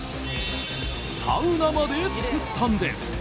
サウナまで作ったんです。